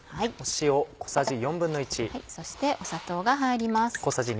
そして砂糖が入ります。